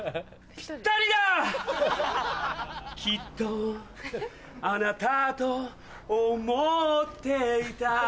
ピッタリだ！きっとあなたと思っていた